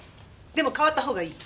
でも変わったほうがいい。